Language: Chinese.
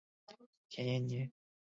田延年。